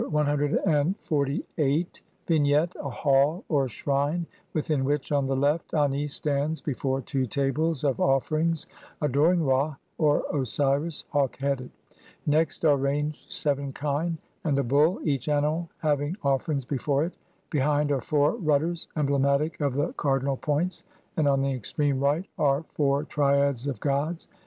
[From the Papyrus of Nu (Brit. Mus. No. 10,477, sheet 11).] Vignette : 2 A hall, or shrine, within which, on the left, Ani stands be fore two tables of offerings adoring Ra (or Osiris), hawk headed. Next are ranged seven kine and a bull, each animal having offerings before it. Behind are four rudders, emblematic of the cardinal points, and on the extreme right are four triads of gods.